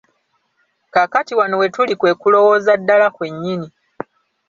Kaakati wano we tuli kwe kulowooleza ddala kwennyini.